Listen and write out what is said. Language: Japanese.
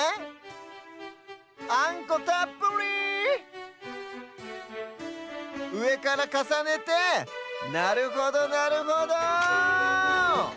あんこたっぷり！うえからかさねてなるほどなるほど。